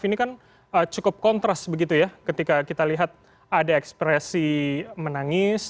ini kan cukup kontras begitu ya ketika kita lihat ada ekspresi menangis